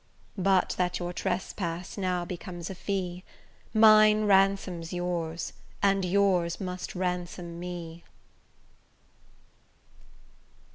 But that your trespass now becomes a fee; Mine ransoms yours, and yours must ransom me.